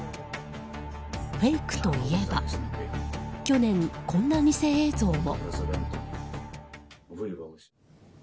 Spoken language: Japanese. フェイクといえば去年、こんな偽映像も。